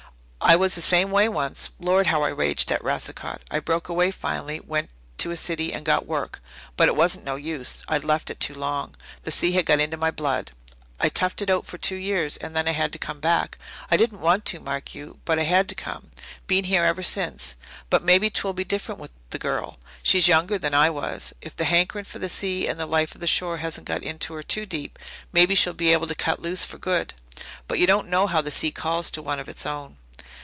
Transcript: I was the same way once. Lord, how I raged at Racicot! I broke away finally went to a city and got work. But it wasn't no use. I'd left it too long. The sea had got into my blood. I toughed it out for two years, and then I had to come back. I didn't want to, mark you, but I had to come. Been here ever since. But maybe 'twill be different with the girl. She's younger than I was; if the hankering for the sea and the life of the shore hasn't got into her too deep, maybe she'll be able to cut loose for good. But you don't know how the sea calls to one of its own."